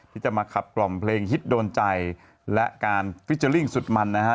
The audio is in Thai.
ที่จะมาขับกล่อมเพลงฮิตโดนใจและการฟิเจอร์ลิ่งสุดมันนะฮะ